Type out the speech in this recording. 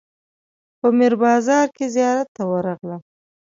په میر بازار کې زیارت ته ورغلم.